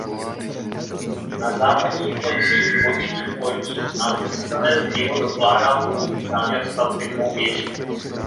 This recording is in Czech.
Na západních koncích bočních lodí nám zesílené zdivo dokládá původní záměr stavby dvou věží.